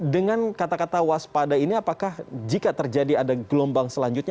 dengan kata kata waspada ini apakah jika terjadi ada gelombang selanjutnya